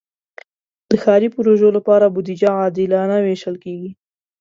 د ښاري پروژو لپاره بودیجه عادلانه ویشل کېږي.